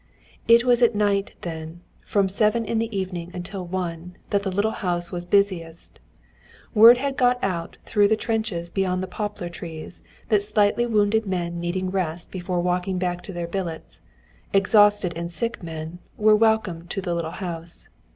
It was at night then, from seven in the evening until one, that the little house was busiest. Word had gone out through the trenches beyond the poplar trees that slightly wounded men needing rest before walking back to their billets, exhausted and sick men, were welcome to the little house.